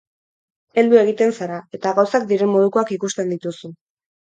Heldu egiten zara, eta gauzak diren modukoak ikusten dituzu.